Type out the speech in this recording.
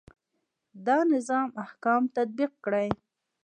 دا نظام احکام تطبیق کړي.